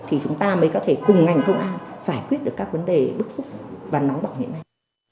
thì chúng ta mới có thể cùng ngành công an giải quyết được các vấn đề bức xúc và nóng bỏng hiện nay